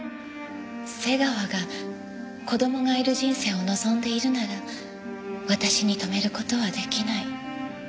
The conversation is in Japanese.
瀬川が子供がいる人生を望んでいるなら私に止める事は出来ない。